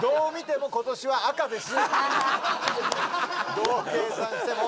どう計算しても。